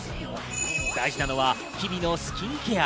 大事なのは日々のスキンケア。